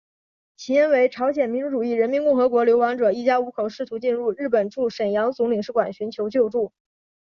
起因为朝鲜民主主义人民共和国流亡者一家五口试图进入日本驻沈阳总领事馆寻求救助。